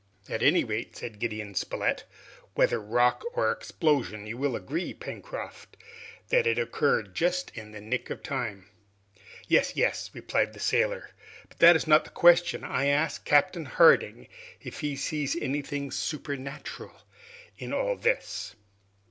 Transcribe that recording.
"At any rate," said Gideon Spilett, "whether rock or explosion, you will agree, Pencroft, that it occurred just in the nick of time!" "Yes! yes!" replied the sailor, "but that is not the question. I ask Captain Harding if he sees anything supernatural in all this."